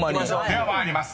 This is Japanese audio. ［では参ります。